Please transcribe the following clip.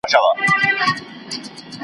مګر که له اورېدونکو څخه .